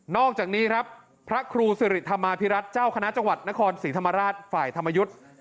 อกจากนี้ครับพระครูสิริธรรมาภิรัตน์เจ้าคณะจังหวัดนครศรีธรรมราชฝ่ายธรรมยุทธ์